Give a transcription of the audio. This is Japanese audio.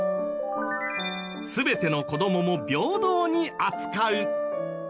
全ての子どもも平等に扱う。